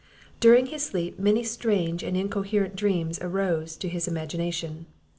During his sleep, many strange and incoherent dreams arose to his imagination.